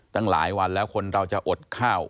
ตั้งหลายวันแล้วคนเราจะอดข้าว